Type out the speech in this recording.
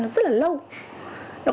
nó rất là lâu